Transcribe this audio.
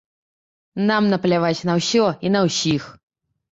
Нам напляваць на ўсё і на ўсіх.